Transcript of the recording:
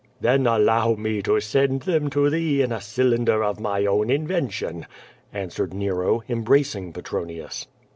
"Then allow me to send them to thee in a cylinder of my own invention," answered Xero, embracing Petronius.